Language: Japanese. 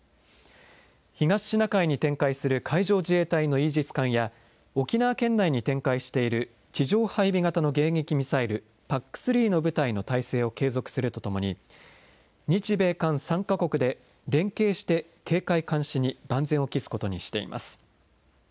東シナ海に展開する海上自衛隊のイージス艦や、沖縄県内に展開している地上配備型の迎撃ミサイルＰＡＣ３の部隊の態勢を継続するとともに、日米韓３か国で連携して警戒監視に万全を期すことにしています。